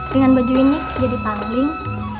dengan baju ini jadi punggung